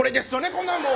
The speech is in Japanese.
こんなんもう。